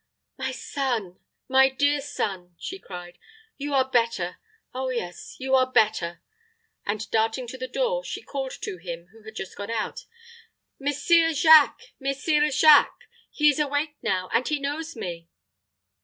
"My son my dear son," she cried; "you are better. Oh yes, you are better?" And, darting to the door, she called to him who had just gone out, "Messire Jacques, Messire Jacques. He is awake now; and he knows me!"